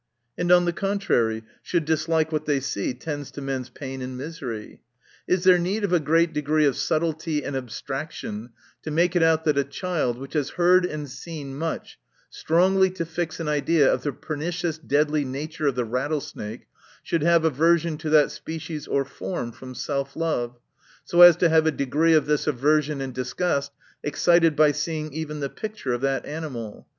And on the contrary, should dislike what they see tends to men's pain and misery 1 ■ Is there need of a great degree of subtilty and abstraction, to make it out, that a child, which has heard and seen much, strongly to fix an idea of the pernicious deadly nature of the rattlesnake, should have aversion to that species or form, from self love ; so as to have a degree of this aversion and disgust excited by seeing even the picture of that animal